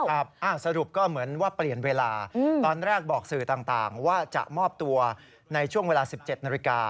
สรุปก็เหมือนว่าเปลี่ยนเวลาตอนแรกบอกสื่อต่างว่าจะมอบตัวในช่วงเวลา๑๗นาฬิกา